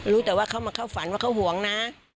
รู้แต่ว่าเขามาเข้าฝันว่าเขาห่วงนะ